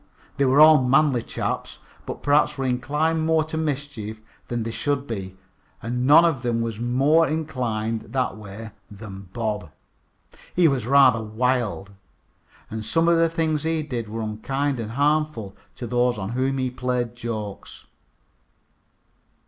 They were all manly chaps, but perhaps were inclined more to mischief than they should be. And none of them was any more inclined that way than Bob. He was rather wild, and some of the things he did were unkind and harmful to those on whom he played jokes.